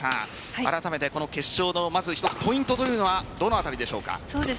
あらためて決勝の一つポイントというのはどの辺りでしょうか？